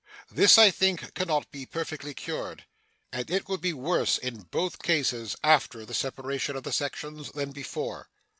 This I think, can not be perfectly cured, and it would be worse in both cases after the separation of the sections than before.